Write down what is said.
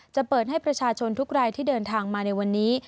จะเปิดให้ประชาชนทุกรายที่เดินทางมาในวันนี้